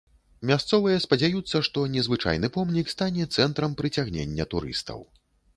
Мясцовыя спадзяюцца, што незвычайны помнік стане цэнтрам прыцягнення турыстаў.